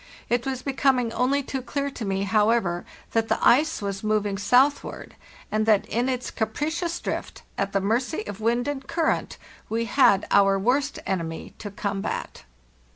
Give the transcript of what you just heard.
It was becoming only too clear to me, however, that the ice was moving southward, and that in its capricious drift, at the mercy of wind and current, we had our worst enemy to combat.